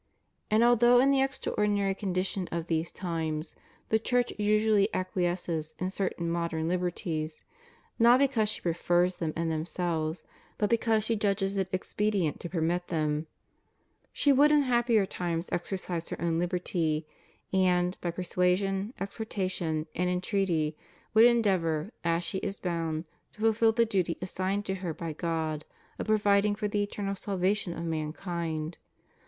And although in the extraordinary condition of these times the Church usually acquiesces in certain modern liberties, not because she prefers them in them selves, but because she judges it expedient to permit them, she would in happier times exercise her own liberty; and, by persuasion, exhortation, and entreaty, would endeavor, as she is bound, to fulfil the duty assigned to her by God of providing for the eternal salvation of mankind.